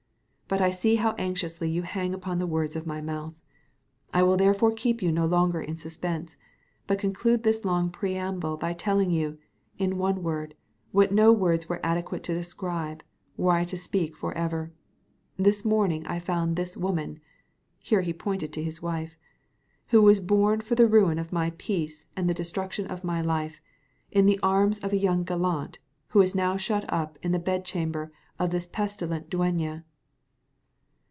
But I see how anxiously you hang upon the words of my mouth. I will therefore keep you no longer in suspense, but conclude this long preamble by telling you, in one word, what no words were adequate to describe, were I to speak for ever. This morning I found this woman," (here he pointed to his wife,) "who was born for the ruin of my peace and the destruction of my life, in the arms of a young gallant, who is now shut up in the bed chamber of this pestilent dueña."